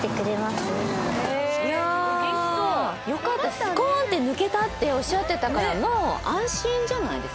「スコーンって抜けた」っておっしゃってたからもう安心じゃないですか？